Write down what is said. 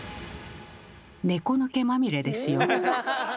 猫の毛まみれですよ。